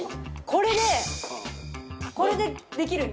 これでこれでできるの。